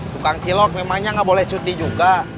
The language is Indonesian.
tukang cilok memangnya nggak boleh cuti juga